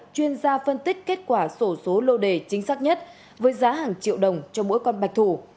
chuyên gia phân tích kết quả sổ số lô đề chính xác nhất với giá hàng triệu đồng cho mỗi con bạch thủ